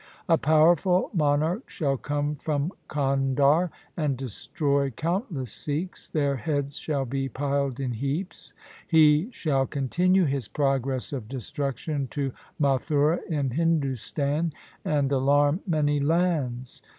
' A powerful monarch shall come from Kandhar 1 and destroy countless Sikhs. Their heads shall be piled in heaps. He shall continue his progress of destruction to Mathura in Hindustan, and alarm many lands.